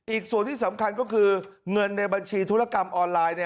อีกส่วนที่สำคัญก็คือเงินในบัญชีธุรกรรมออนไลน์